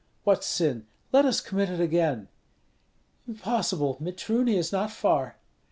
"What sin? Let us commit it again." "Impossible! Mitruny is not far."